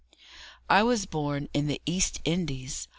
I was born in the East Indies.